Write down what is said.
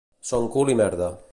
Són cul i merda